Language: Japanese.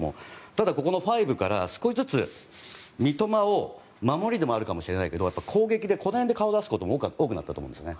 ただ、ここの５から少しずつ三笘を守りでもあるかもしれないけど攻撃で、この辺で顔を出すことも多くなったと思うんですね。